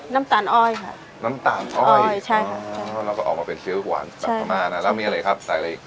น้ำตาลอ้อยค่ะน้ำตาลอ้อยใช่ค่ะแล้วก็ออกมาเป็นซิลหวานแบบประมาณอ่ะแล้วมีอะไรครับใส่อะไรอีก